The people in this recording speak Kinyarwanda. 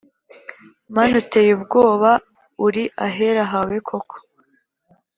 Mana uteye ubwoba, uri ahera hawe koko!